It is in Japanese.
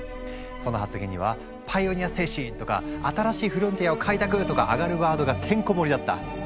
その発言には「パイオニア精神」とか「新しいフロンティアを開拓」とかアガるワードがてんこもりだった。